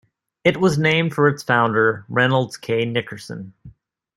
It was named for its founder, Reynolds K. Nickerson.